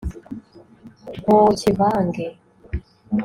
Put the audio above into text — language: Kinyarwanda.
ntukivange